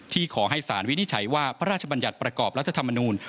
ขอให้สารวินิจฉัยว่าพระราชบัญญัติประกอบรัฐธรรมนูล